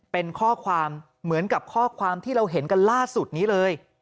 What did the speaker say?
เป็นข้อความเหมือนกับข้อความที่เราเห็นกันล่าสุดนี้เลย